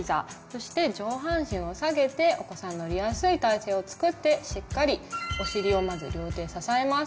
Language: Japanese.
そして上半身を下げてお子さんが乗りやすい体勢をつくってしっかりおしりをまず両手で支えます。